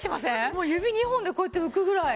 もう指２本でこうやって浮くぐらい。